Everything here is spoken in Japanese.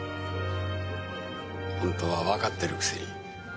本当はわかってるくせに。